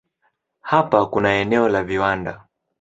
Hapa kuna eneo la viwanda.